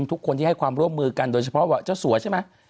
ทุกคนที่ให้ความร่วมมือกันโดยเฉพาะเจ้าสัวใช่ไหม